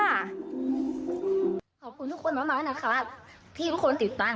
ขอบคุณทุกคนมากนะครับพี่ทุกคนติดตั้ง